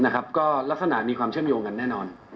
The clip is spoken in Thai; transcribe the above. ก็ลักษณะมีความเชื่อมโยงกันแน่นอน